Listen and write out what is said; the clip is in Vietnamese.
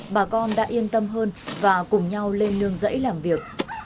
bà con đã yên tâm hơn và cùng nhau lên nương rẫy làm việc